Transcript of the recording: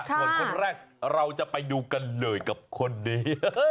ส่วนคนแรกเราจะไปดูกันเลยกับคนนี้